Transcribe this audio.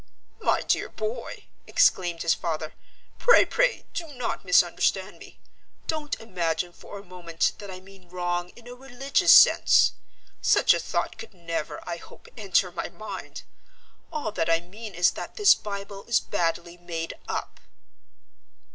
"My dear boy," exclaimed his father, "pray, pray, do not misunderstand me. Don't imagine for a moment that I mean wrong in a religious sense. Such a thought could never, I hope, enter my mind. All that I mean is that this Bible is badly made up."